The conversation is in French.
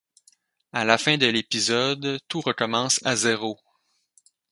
À la fin de l'épisode, tout recommence à zéro.